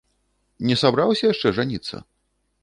Не сабраўся яшчэ жаніцца?